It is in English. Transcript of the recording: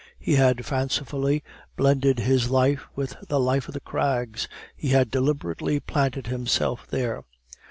He had fancifully blended his life with the life of the crags; he had deliberately planted himself there.